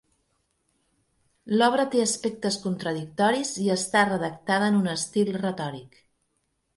L'obra té aspectes contradictoris i està redactada en un estil retòric.